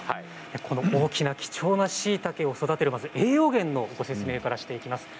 大きな貴重なしいたけを育てる場所、栄養源のご説明からしていきます。